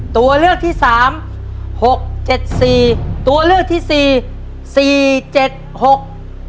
ตัวเลือกที่สามหกเจ็ดสี่ตัวเลือกที่สี่สี่เจ็ดหก